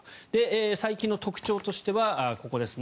最近の特徴としてはここですね